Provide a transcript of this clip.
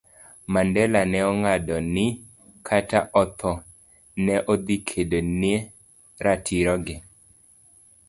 Mandela ne ong'ado ni, kata otho, ne odhi kedo ne ratiro gi